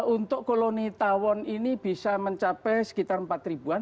untuk koloni tawon ini bisa mencapai sekitar empat ribuan